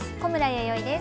弥生です。